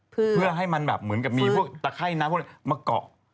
เพื่อเพื่อให้มันเหมือนแบบน้ำประไขมั้งมาเกาะ